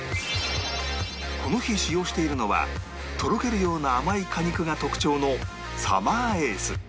この日使用しているのはとろけるような甘い果肉が特徴のサマーエース